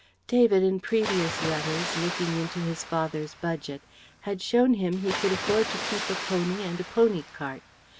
David in previous letters, looking into his father's budget, had shown him he could afford to keep a pony and a pony cart.